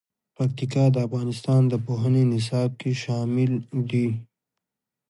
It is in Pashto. پکتیکا د افغانستان د پوهنې نصاب کې شامل دي.